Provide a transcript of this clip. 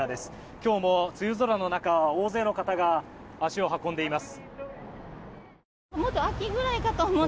今日も梅雨空の中、大勢の方が足を運んでいます。